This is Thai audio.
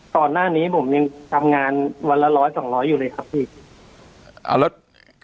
ตอนหน้านี้ผมยังทำงานวันละ๑๐๐๒๐๐อยู่เลยครับพี่